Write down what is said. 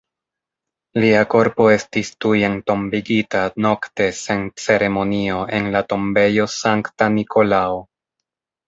Lia korpo estis tuj entombigita nokte sen ceremonio en la Tombejo Sankta Nikolao.